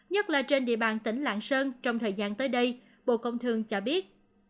nhất là trên địa bàn tỉnh lạng sơn trong thời gian tới đây bộ công thương cho biết